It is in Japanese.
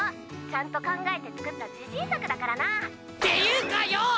ちゃんと考えて作った自信作だからな。っていうかよぉ！